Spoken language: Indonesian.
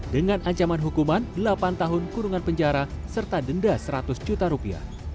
dengan ancaman hukuman delapan tahun kurungan penjara serta denda seratus juta rupiah